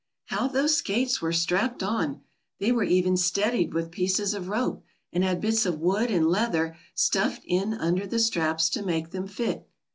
How those skates were strapped on! They were even steadied with pieces of rope, and had bits of wood and leather stuffed in under the straps to make them fit.